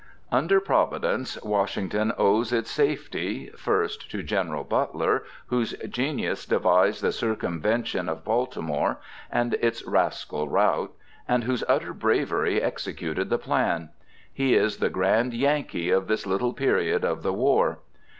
Under Providence, Washington owes its safety, 1st, To General Butler, whose genius devised the circumvention of Baltimore and its rascal rout, and whose utter bravery executed the plan; he is the Grand Yankee of this little period of the war.